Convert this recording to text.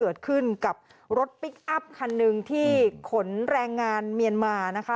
เกิดขึ้นกับรถพลิกอัพคันหนึ่งที่ขนแรงงานเมียนมานะคะ